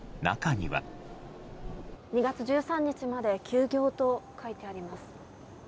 ２月１３日まで休業とあります。